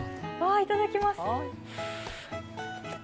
いただきます。